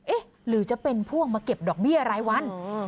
หรือจะเป็นพวกมาเก็บดอกเบี้ยรายวัน